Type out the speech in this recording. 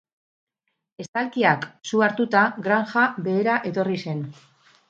Estalkiak su hartuta, granja behera etorri zen.